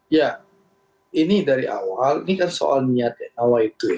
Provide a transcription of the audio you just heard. ya ini dari awal ini kan soal niat awal itu ya